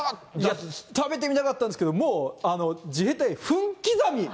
食べてみたかったんですけど、もう自衛隊、分刻み。